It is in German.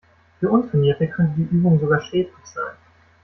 Für Untrainierte könnte die Übung sogar schädlich sein.